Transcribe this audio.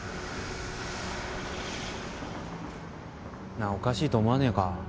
なあおかしいと思わねえか？